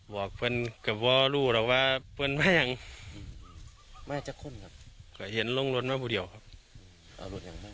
บอกเพื่อนกับว่าลูกเราว่าเพื่อนมายังมาจากคนครับก็เห็นลงรถมาพูดเดียวครับ